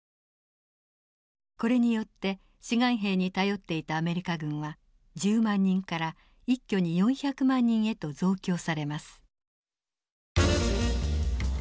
これによって志願兵に頼っていたアメリカ軍は１０万人から一挙に４００万人へと増強されます。